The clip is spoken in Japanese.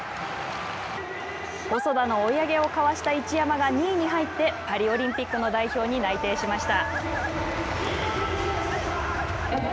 細田の追い上げをかわした一山が２位に入ってパリオリンピックの代表に内定しました。